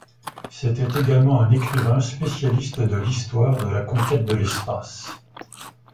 C'était également un écrivain spécialiste de l'histoire de la conquête de l'espace.